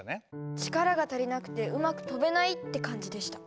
力が足りなくてうまく飛べないって感じでした。